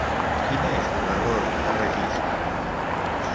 Quin és l'error que registra?